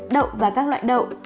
tám đậu và các loại đậu